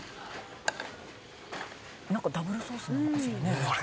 なんかダブルソースなのかしらね。